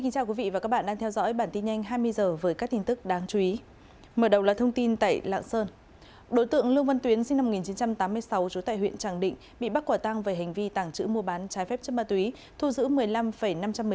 các bạn hãy đăng ký kênh để ủng hộ kênh của chúng mình nhé